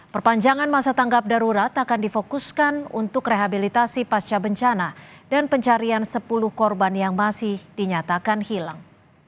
perpanjangan masa tanggap darurat akan difokuskan untuk rehabilitasi pasca bencana dan pencarian sepuluh korban yang masih dinyatakan hilang